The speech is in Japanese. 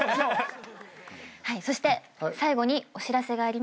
そして最後にお知らせがあります。